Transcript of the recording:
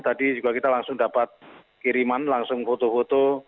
tadi juga kita langsung dapat kiriman langsung foto foto